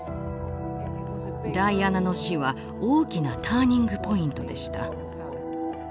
ダイアナの死は大きなターニングポイントでした。